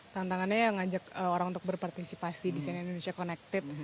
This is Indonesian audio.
tantangannya ya ngajak orang untuk berpartisipasi di cnn indonesia connected